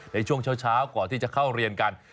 ในช่วงเช้าก่อนที่จะเข้าเรียนกัน